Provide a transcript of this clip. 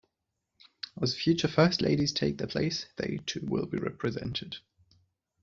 As future First Ladies take their place, they, too, will be represented.